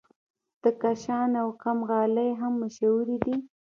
د کاشان او قم غالۍ هم مشهورې دي.